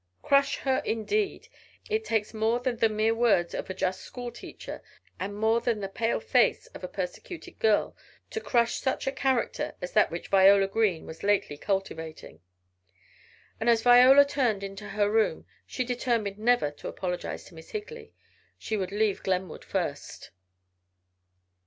Crush her indeed! It takes more than the mere words of a just school teacher and more than the pale face of a persecuted girl to crush such a character as that which Viola Green was lately cultivating. And as Viola turned into her room she determined never to apologize to Miss Higley. She would leave Glenwood first.